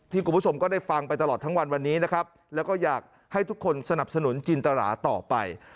คุณผู้ชมก็ได้ฟังไปตลอดทั้งวันวันนี้นะครับแล้วก็อยากให้ทุกคนสนับสนุนจินตราต่อไป